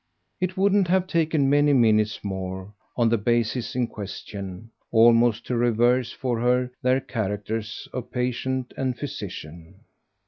It wouldn't have taken many minutes more, on the basis in question, almost to reverse for her their characters of patient and physician.